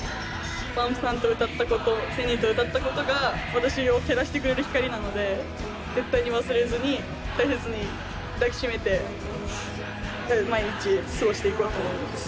ＢＵＭＰさんと歌ったこと１，０００人と歌ったことが私を照らしてくれる光なので絶対に忘れずに大切に抱き締めて毎日過ごしていこうと思います。